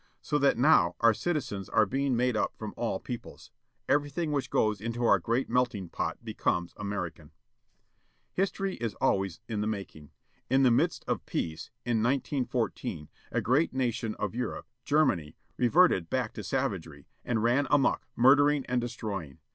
So that now our citizens are being made up from all peoples. Everything which goes into our great melting pot becomes American. History is always in the making. In the midst of peace, in 1 9 1 4, a great nation of Europe, Germany, reverted back to savagery, ^ and "ran amuck," murdering and destroying.